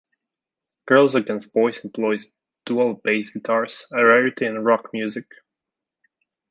Girls Against Boys employs dual bass guitars, a rarity in rock music.